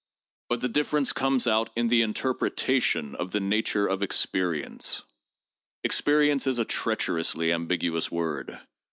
But the difference comes out in the interpretation of the nature of experience. Experience is a treacherously ambiguous word.